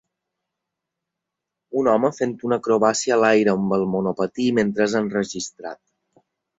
Un home fent una acrobàcia a l'aire amb el monopatí mentre és enregistrat.